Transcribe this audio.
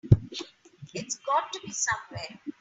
It's got to be somewhere.